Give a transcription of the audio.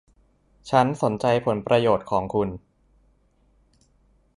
ฉันสนใจผลประโยชน์ของคุณ